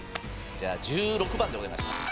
じゃあ１６番でお願いします。